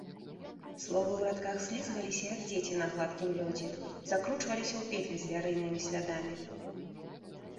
Словы ў радках слізгаліся, як дзеці на гладкім лёдзе, закручваліся ў петлі звярынымі слядамі.